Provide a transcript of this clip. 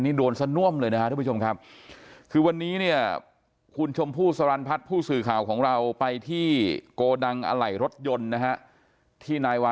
นี่โดนซะน่วมเลยนะครับทุกผู้ชมครับคือวันนี้เนี่ยคุณชมพู่สรรพัฒน์ผู้สื่อข่าวของเราไปที่โกดังอะไหล่รถยนต์นะฮะที่นายวา